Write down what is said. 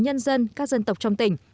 nhân dân các dân tộc trong tỉnh